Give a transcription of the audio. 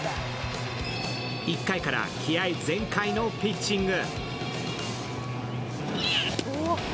１回から気合い全開のピッチング。